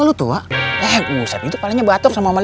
kok ada dua motor